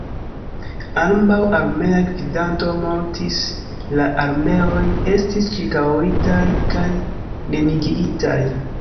Ambaŭ armea gvidanto mortis, la armeoj estis ĉirkaŭitaj kaj neniigitaj.